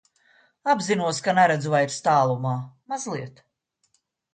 Apzinos, ka neredzu vairs tālumā. Mazliet.